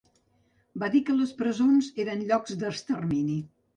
Va dir que les presons eren llocs d’extermini.